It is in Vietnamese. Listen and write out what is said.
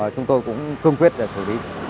chúng tôi cũng cơm quyết để xử lý